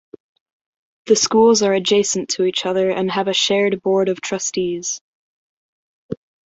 The schools are adjacent to each other and have a shared Board of Trustees.